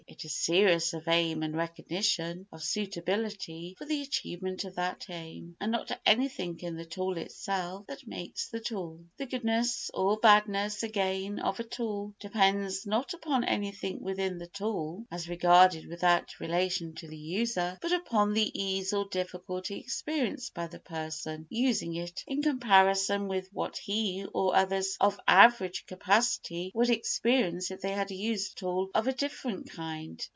It is seriousness of aim and recognition of suitability for the achievement of that aim, and not anything in the tool itself, that makes the tool. The goodness or badness, again, of a tool depends not upon anything within the tool as regarded without relation to the user, but upon the ease or difficulty experienced by the person using it in comparison with what he or others of average capacity would experience if they had used a tool of a different kind.